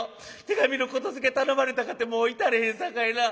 手紙の言づて頼まれたかてもういたれへんさかいな。